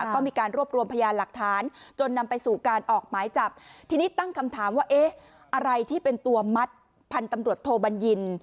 ก็มีการรวบรวมพยานหลักฐานจนนำไปสู่การออกหมายจับทีนี้ตั้งคำถามว่าเอ๊ะอะไรที่เป็นตัวมัดพันธุ์ตำรวจโทบัญญิน